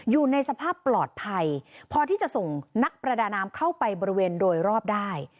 อยู่ในสภาพปลอดภัยพอที่จะส่งนักประดาน้ำเข้าไปบริเวณโดยรอบได้